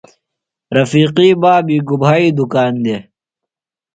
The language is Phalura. رفیقی بابی گُبھائی دُکان دےۡ؟